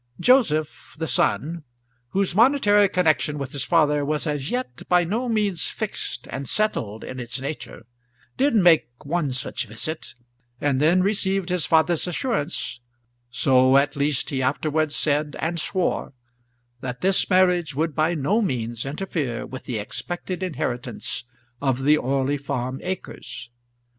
Joseph, the son, whose monetary connection with his father was as yet by no means fixed and settled in its nature, did make one such visit, and then received his father's assurance so at least he afterwards said and swore that this marriage should by no means interfere with the expected inheritance of the Orley Farm acres.